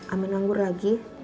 amin langgur lagi